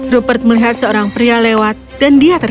rupert melihat seorang pria lewat dan dia tak berhenti